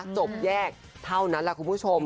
จบแยกเท่านั้นแหละคุณผู้ชม